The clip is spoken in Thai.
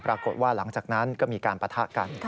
ปรากฏว่าหลังจากนั้นก็มีการปะทะกัน